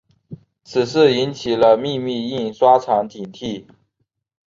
此事引起了秘密印刷厂警惕。